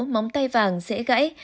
sáu móng tay vàng dễ gãy